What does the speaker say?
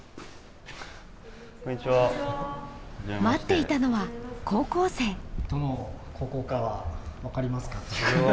待っていたのは高校生どの高校か分かりますか？